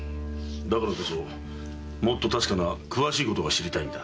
だからこそもっと確かな詳しいことが知りたいのだ。